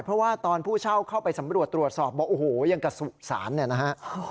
เพราะว่าตอนผู้เช่าเข้าไปสำรวจตรวจสอบบอกโอ้โหยังกระสุสานเนี่ยนะฮะ